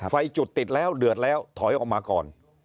จุดติดแล้วเดือดแล้วถอยออกมาก่อน